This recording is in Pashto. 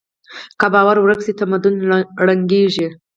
که باور ورک شي، تمدن ړنګېږي.